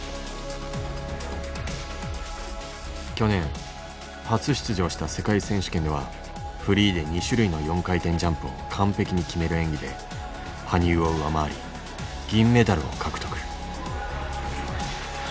去年初出場した世界選手権ではフリーで２種類の４回転ジャンプを完璧に決める演技で羽生を上回り銀メダルを獲得。